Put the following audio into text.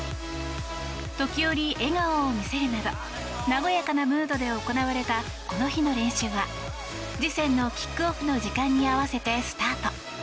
時折、笑顔を見せるなど和やかなムードで行われたこの日の練習は、次戦のキックオフの時間に合わせてスタート。